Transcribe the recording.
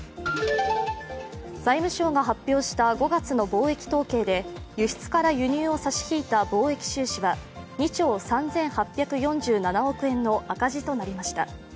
財務省が発表した、５月の貿易統計で輸出から輸入を差し引いた貿易収支は２兆３８４７億円の赤字となりました。